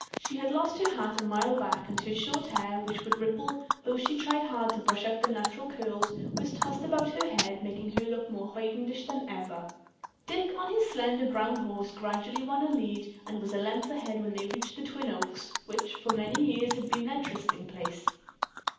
She had lost her hat a mile back and her short hair, which would ripple, though she tried hard to brush out the natural curls, was tossed about her head, making her look more hoidenish than ever. Dick, on his slender brown horse, gradually won a lead and was a length ahead when they reached the Twin Oaks, which for many years had been their trysting place.